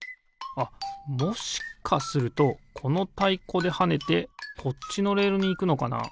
あっもしかするとこのたいこではねてこっちのレールにいくのかな？